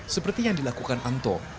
seperti yang dilakukan anto